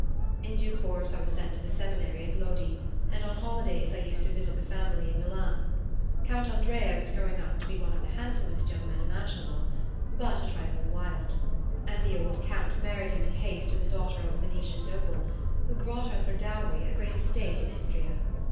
In due course I was sent to the seminary at Lodi; and on holidays I used to visit the family in Milan. Count Andrea was growing up to be one of the handsomest young men imaginable, but a trifle wild; and the old Count married him in haste to the daughter of a Venetian noble, who brought as her dower a great estate in Istria.